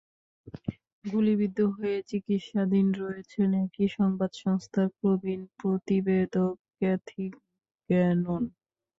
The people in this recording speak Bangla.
গুলিবিদ্ধ হয়ে চিকিত্সাধীন রয়েছেন একই সংবাদ সংস্থার প্রবীণ প্রতিবেদক ক্যাথি গ্যানোন।